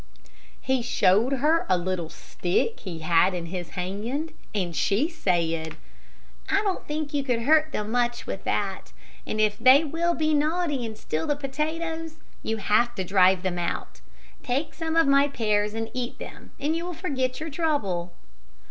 He showed her a little stick he had in his hand, and she said, "I don't think you could hurt them much with that, and if they will be naughty and steal the potatoes, you have to drive them out. Take some of my pears and eat them, and you will forget your trouble."